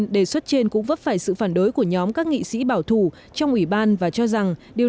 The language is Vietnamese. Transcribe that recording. đề xuất trên cũng vấp phải sự phản đối của nhóm các nghị sĩ bảo thủ trong ủy ban và cho rằng điều